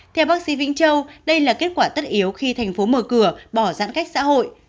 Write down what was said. theo bác sĩ vĩnh châu đây là kết quả tất yếu khi thành phố mở cửa bỏ giãn cách xã hội